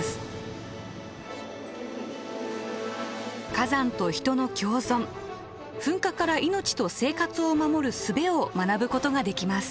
火山と人の共存噴火から命と生活を守るすべを学ぶことができます。